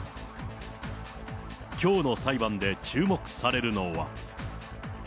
きょうの裁判で注目されるのは。